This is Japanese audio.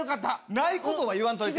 ないことは言わんといて。